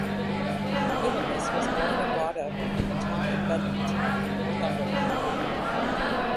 Middlemiss was born and brought up in the town of Bedlington in Northumberland.